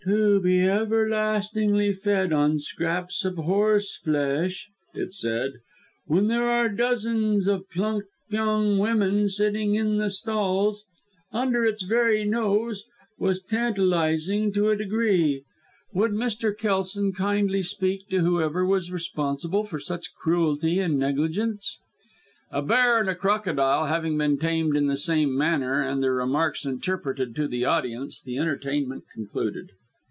"To be everlastingly fed on scraps of horse flesh," it said, "when there were dozens of plump young women sitting in the stalls, under its very nose, was tantalizing to a degree. Would Mr. Kelson kindly speak to whoever was responsible for such cruelty and negligence?" A bear and a crocodile having been tamed in the same manner, and their remarks interpreted to the audience, the entertainment concluded.